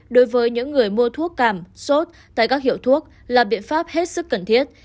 đối với những người mua thuốc cảm sốt tại các hiệu thuốc là biện pháp hết sức cần thiết